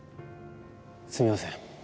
すいません。